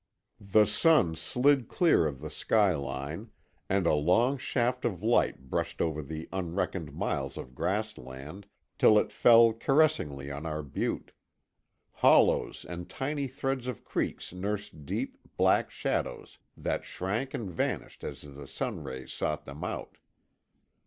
The sun slid clear of the skyline, and a long shaft of light brushed over the unreckoned miles of grassland till it fell caressingly on our butte. Hollows and tiny threads of creeks nursed deep, black shadows that shrank and vanished as the sun rays sought them out.